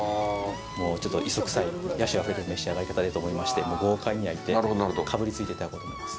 もう、ちょっと磯くさい野趣あふれる召し上がり方でと思いまして、もう豪快に焼いてかぶりついていただこうと思います。